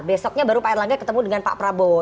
besoknya baru pak erlangga ketemu dengan pak prabowo